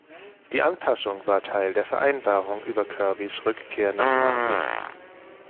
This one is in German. Die Anpassung war Teil der Vereinbarung über Kirbys Rückkehr nach Marvel.